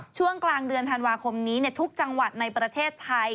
ช่วงกลางเดือนธันวาคมนี้ทุกจังหวัดในประเทศไทย